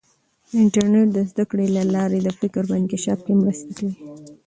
د انټرنیټ د زده کړې له لارې د فکر په انکشاف کې مرسته کوي.